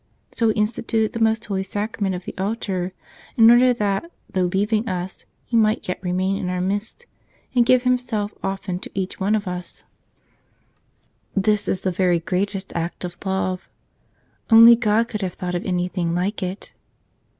So He instituted the Most Holy Sacrament of the altar in order that, though leaving us, He might yet remain in our midst and give Himself often to each one of us. T U A 8 107 " Tell Us Another /" This is the very greatest act of love. Only God could have thought of anything like it.